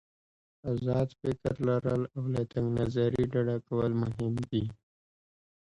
آزاد فکر لرل او له تنګ نظري ډډه کول مهم دي.